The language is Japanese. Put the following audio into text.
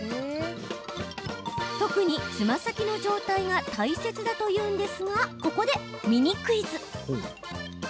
特につま先の状態が大切だというんですがここでミニクイズ。